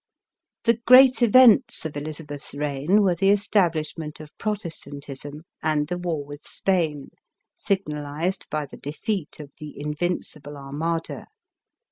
The great events of Elizabeth's reign were the estab lishment of Protestantism, and the war with Spain, sig nalized by the defeat of the Invincible Armada.